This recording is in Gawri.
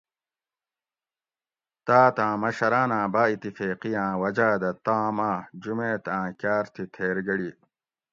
تاۤت آۤں مشراۤن آۤں باۤ اِتیفیقی آۤں وجاۤ دہ تام اۤ جُمیت آۤں کاۤر تھی تھیر گڑی